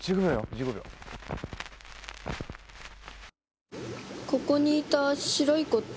１５秒ここにいた白い子って？